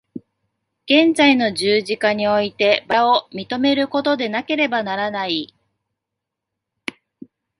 現在の十字架において薔薇を認めることでなければならない。